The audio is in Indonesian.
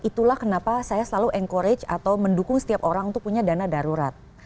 itulah kenapa saya selalu encourage atau mendukung setiap orang untuk punya dana darurat